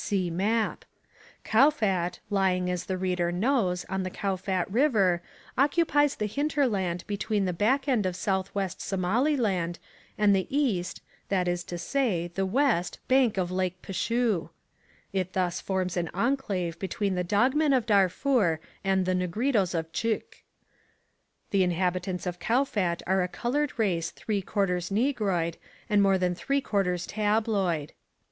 (See map). Kowfat, lying as the reader knows, on the Kowfat River, occupies the hinterland between the back end of south west Somaliland and the east, that is to say, the west, bank of Lake P'schu. It thus forms an enclave between the Dog Men of Darfur and the Negritos of T'chk. The inhabitants of Kowfat are a coloured race three quarters negroid and more than three quarters tabloid.